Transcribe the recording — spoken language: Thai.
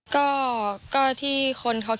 น้อง